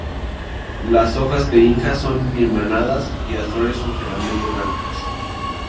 Las hojas de "Inga"' son pinnadas, y las flores son generalmente blancas.